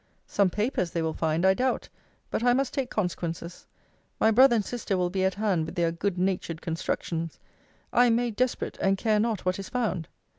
Some papers they will find, I doubt: but I must take consequences. My brother and sister will be at hand with their good natured constructions. I am made desperate, and care not what is found.